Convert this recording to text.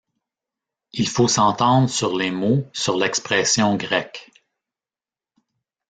Il faut s'entendre sur les mots, sur l'expression grecque.